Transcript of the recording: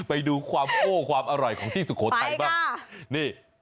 ไปดูความโอ้ความอร่อยของที่สุโขทัยบ้างนี่